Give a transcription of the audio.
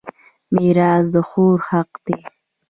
میراث د خور حق دی.